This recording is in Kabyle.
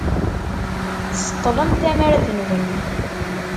Tseṭṭlem tamart-nwen.